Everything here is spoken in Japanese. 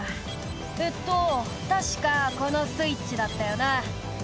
「えっと確かこのスイッチだったよな」